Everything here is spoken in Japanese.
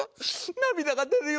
涙が出るよ。